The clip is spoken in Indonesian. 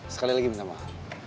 sekali lagi minta maaf